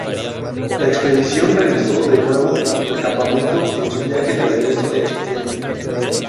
La expedición regresó de nuevo al campamento en su viaje de regreso en septiembre.